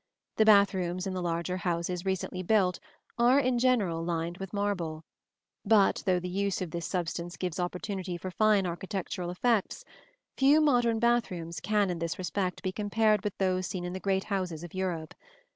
The bath rooms in the larger houses recently built are, in general, lined with marble; but though the use of this substance gives opportunity for fine architectural effects, few modern bath rooms can in this respect be compared with those seen in the great houses of Europe.